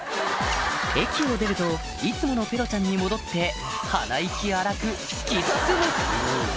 駅を出るといつものペロちゃんに戻って鼻息荒く突き進む！